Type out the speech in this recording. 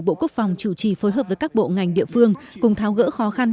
bộ quốc phòng chủ trì phối hợp với các bộ ngành địa phương cùng tháo gỡ khó khăn